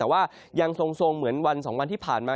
แต่ว่ายังทรงเหมือนวัน๒วันที่ผ่านมา